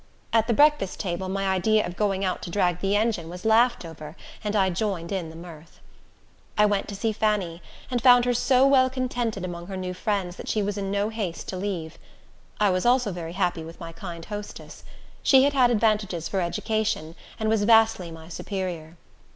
At the breakfast table, my idea of going out to drag the engine was laughed over, and I joined in the mirth. I went to see Fanny, and found her so well contented among her new friends that she was in no haste to leave. I was also very happy with my kind hostess. She had had advantages for education, and was vastly my superior.